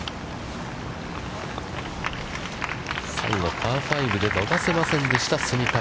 最後パー５で伸ばせませんでした蝉川。